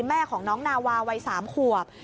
แม่ของน้องนาวาวัย๓ขวบ